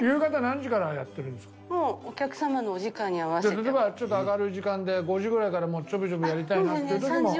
例えば明るい時間で５時ぐらいからちょびちょびやりたいなっていう時も。